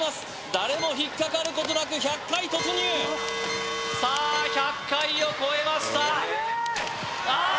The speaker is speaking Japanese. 誰も引っかかることなく１００回突入さあ１００回を超えましたああ